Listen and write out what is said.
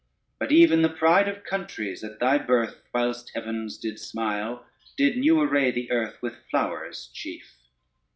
But even the pride of countries at thy birth, Whilst heavens did smile, did new array the earth With flowers chief.